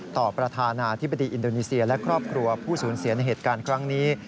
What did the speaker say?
ประธานาธิบดีอินโดนีเซียและครอบครัวผู้สูญเสียในเหตุการณ์ครั้งนี้